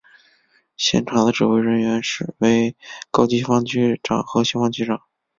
现场的指挥人员为高级消防区长和消防区长。